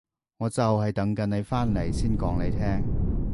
我就係等緊你返嚟先講你聽